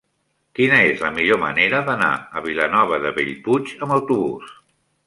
Quina és la millor manera d'anar a Vilanova de Bellpuig amb autobús?